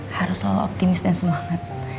harus selalu optimis dan semangat